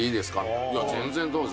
「いや全然どうぞ」。